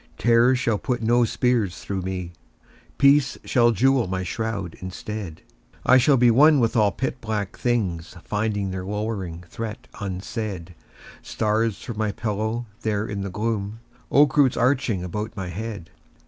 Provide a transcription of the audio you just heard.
Terror shall put no spears through me. Peace shall jewel my shroud instead. I shall be one with all pit black things Finding their lowering threat unsaid: Stars for my pillow there in the gloom,— Oak roots arching about my head!